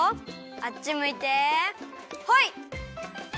あっちむいてホイ！